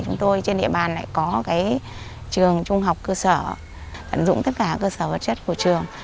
chúng tôi trên địa bàn lại có trường trung học cơ sở tận dụng tất cả cơ sở vật chất của trường